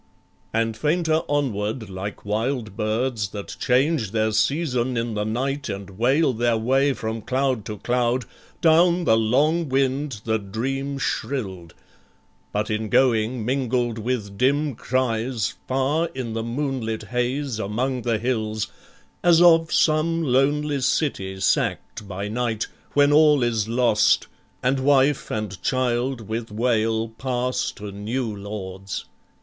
And fainter onward, like wild birds that change Their season in the night and wail their way From cloud to cloud, down the long wind the dream Shrill'd; but in going mingled with dim cries Far in the moonlit haze among the hills, As of some lonely city sack'd by night, When all is lost, and wife and child with wail Pass to new lords!